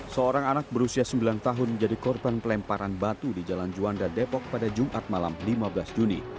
seorang anak berusia sembilan tahun menjadi korban pelemparan batu di jalan juanda depok pada jumat malam lima belas juni